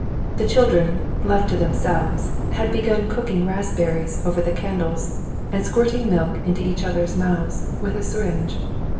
The children, left to themselves, had begun cooking raspberries over the candles and squirting milk into each other's mouths with a syringe.